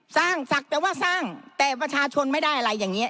ศักดิ์แต่ว่าสร้างแต่ประชาชนไม่ได้อะไรอย่างนี้